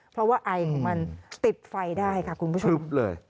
เพราะว่าไอของมันติดไฟได้ค่ะคุณผู้ชม